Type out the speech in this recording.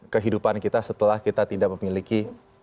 kehidupan kita setelah kita tidak memiliki